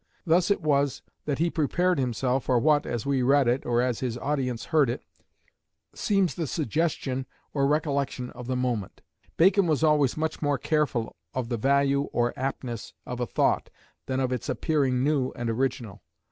Thus it was that he prepared himself for what, as we read it, or as his audience heard it, seems the suggestion or recollection of the moment. Bacon was always much more careful of the value or aptness of a thought than of its appearing new and original.